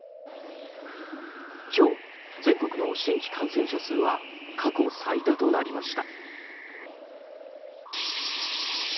今日、全国の新規感染者数は過去最多となりました。